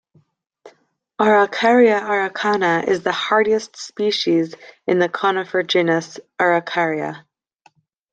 "Araucaria araucana" is the hardiest species in the conifer genus "Araucaria".